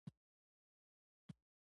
احسان خان، تاسې ته خوب نه درځي؟ زیات نه.